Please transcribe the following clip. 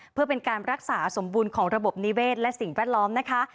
เพื่อเป็นการรักษาสมบูรณ์ของระบบนิเวศและสิ่งแวดล้อมนะคะ